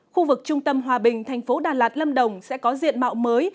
khu vực trung tâm hòa bình thành phố đà lạt lâm đồng sẽ có diện mạo mới